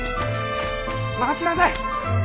待ちなさい！